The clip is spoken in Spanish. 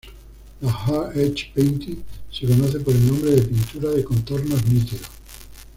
La "hard-edge painting" se conoce por el nombre de pintura de contornos nítidos.